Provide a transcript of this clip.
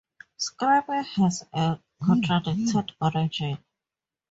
Scrappy has a contradicted origin.